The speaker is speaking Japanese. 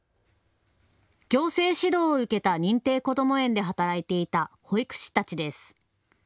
行政指導を受けた認定こども園で働いていた保育士たちです。